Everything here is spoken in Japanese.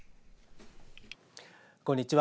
こんにちは。